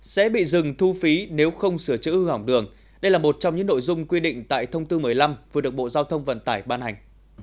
sẽ bị dừng thu phí nếu không sửa chữ hư hỏng đường đây là một trong những nội dung quy định tại thông tư một mươi năm vừa được bộ giao thông vận tải ban hành